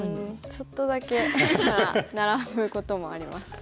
ちょっとだけなら並ぶこともあります。